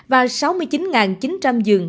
và sáu mươi chín chín trăm linh dường